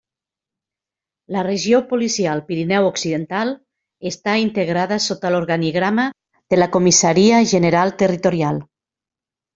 La Regió Policial Pirineu Occidental està integrada sota l'organigrama de la Comissaria General Territorial.